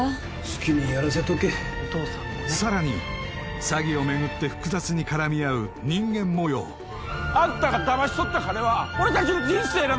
好きにやらせとけさらに詐欺を巡って複雑に絡み合う人間模様あんたがダマし取った金は俺達の人生なんだよ